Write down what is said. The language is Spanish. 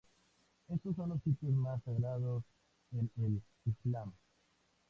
Estos son los sitios más sagrados en el Islam.